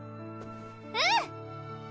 うん！